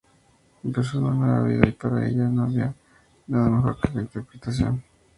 Empezó una nueva vida, y para ella no había nada mejor que la interpretación.